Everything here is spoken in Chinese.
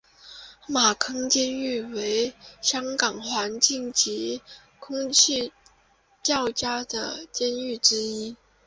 马坑监狱为香港环境及空气较佳的监狱之一。